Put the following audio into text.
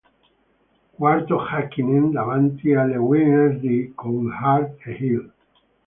Quarto Häkkinen, davanti alle Williams di Coulthard e Hill.